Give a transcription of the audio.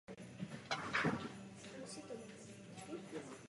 Velmi oblíbené byly zejména ve vojenských souborech.